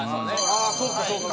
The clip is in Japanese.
ああそうかそうか。